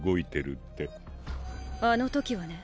あの時はね。